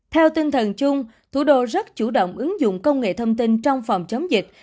theo tinh thần chung thủ đô rất chủ động ứng dụng công nghệ thông tin trong phòng chống dịch